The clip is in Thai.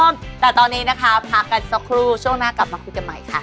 แม่บอลสรรค์บอล